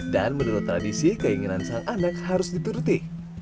dan menurut tradisi keinginan sang anak harus dituruti